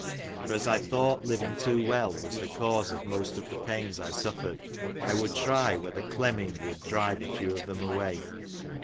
For as I thought living too well was the cause of most of the pains I sufieredj I would try whether clemming would drive a few of them away.